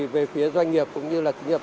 về phía doanh nghiệp cũng như doanh nghiệp